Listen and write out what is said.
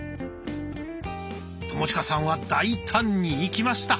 友近さんは大胆にいきました。